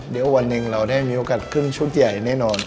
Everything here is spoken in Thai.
เดี๋ยววันหนึ่งเราได้มีโอกาสขึ้นชุดใหญ่แน่นอน